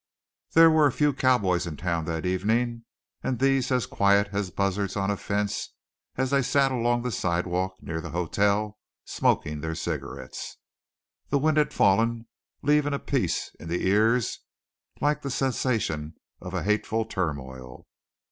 There were a few cowboys in town that evening, and these as quiet as buzzards on a fence as they sat along the sidewalk near the hotel smoking their cigarettes. The wind had fallen, leaving a peace in the ears like the cessation of a hateful turmoil.